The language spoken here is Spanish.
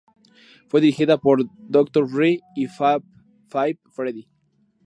Fue dirigida por Dr. Dre y Fab Five Freddy.